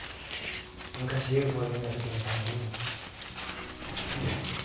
昔ＵＦＯ呼んだ時みたいに。